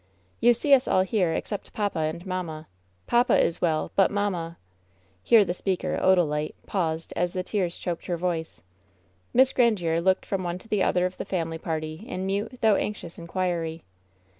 "You see us all here except papa and mamma. Papa is well, but mamma ^^ Here the speaker, Odalite, paused as the tears choked her voice. Miss Grandiere looked from one to the other of the family party in mute, though anxious inquiry.